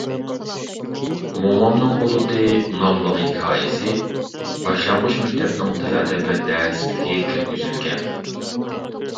«مومامنىڭ بۇلۇتى» ناملىق ھېكايىسى باشلانغۇچ مەكتەپنىڭ تىل-ئەدەبىيات دەرسلىكىگە كىرگۈزۈلگەن.